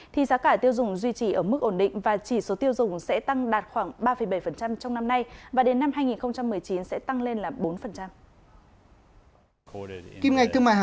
thì giá cả tiêu dùng duy trì ở mức ổn định và chỉ số tiêu dùng sẽ tăng đạt khoảng ba bảy trong năm nay